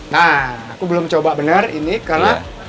nah aku belum coba benar ini karena